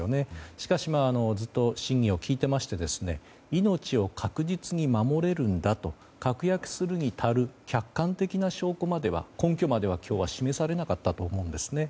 しかしずっと審議を聞いていまして命を確実に守れるんだと確約するに足る客観的な証拠までは根拠までは今日は示されなかったと思うんですね。